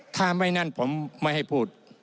ถ้าไม่นั่นผมไม่ให้พูด